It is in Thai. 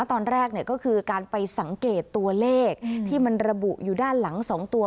ตอนแรกก็คือการไปสังเกตตัวเลขที่มันระบุอยู่ด้านหลัง๒ตัว